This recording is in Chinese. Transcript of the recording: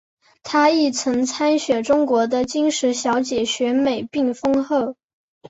她亦曾参选中国的金石小姐选美并封后。